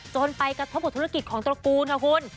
จนไปกระทบกับธุรกิจของตระกูลค่ะคุณ